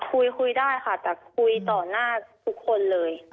คุยคุยได้ค่ะแต่คุยต่อหน้าทุกคนเลย